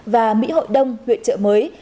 và mỹ hội đông huyện chợ mới